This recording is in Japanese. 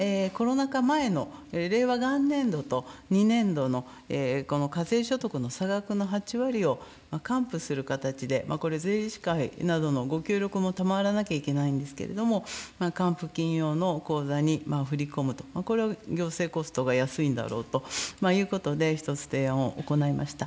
前の令和元年度と２年度のこの課税所得の差額の８割を還付する形で、これ、税理士会などのご協力も賜らなければいけないんですけれども、還付金用の口座に振り込むと、これは行政コストが安いんだろうということで、一つ提案を行いました。